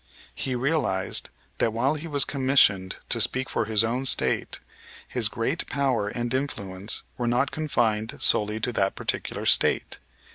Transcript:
He realized that while he was commissioned to speak for his own State, his great power and immense influence were not confined solely to that particular State.